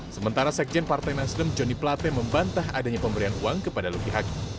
sementara sekjen partai nasdem joni plate membantah adanya pemberian uang kepada luki hakim